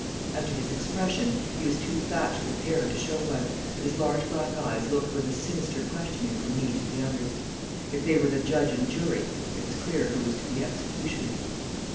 As to his expression, he was too thatched with hair to show one, but his large black eyes looked with a sinister questioning from me to the others. If they were the judge and jury, it was clear who was to be executioner.